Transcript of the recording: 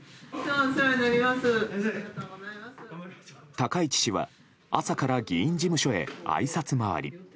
高市氏は、朝から議員事務所へあいさつ回り。